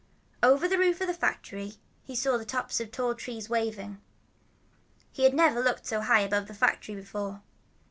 Over the roof of the factory he saw the tops of tall trees waving. He had never looked so high above the factory before.